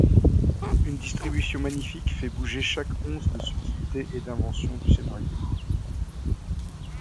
Une distribution magnifique fait bouger chaque once de subtilité et d'invention du scénario.